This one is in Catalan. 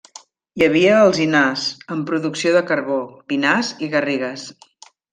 Hi havia alzinars, amb producció de carbó, pinars i garrigues.